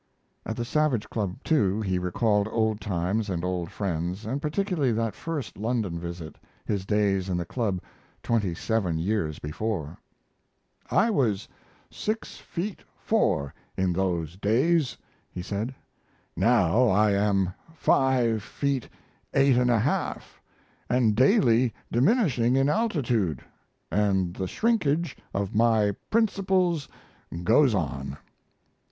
At the Savage Club, too, he recalled old times and old friends, and particularly that first London visit, his days in the club twenty seven years before. "I was 6 feet 4 in those days," he said. "Now I am 5 feet 8 1/2 and daily diminishing in altitude, and the shrinkage of my principles goes on